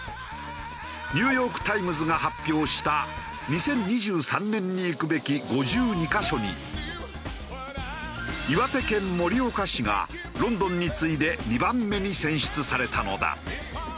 『ニューヨーク・タイムズ』が発表した「２０２３年に行くべき５２カ所」に岩手県盛岡市がロンドンに次いで２番目に選出されたのだ。